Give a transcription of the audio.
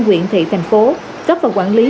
huyện thị thành phố cấp vào quản lý